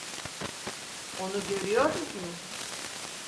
Onu görüyor musunuz?